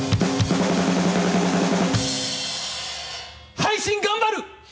配信頑張る！